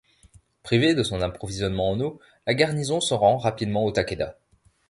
Privée de son approvisionnement en eau, la garnison se rend rapidement aux Takeda.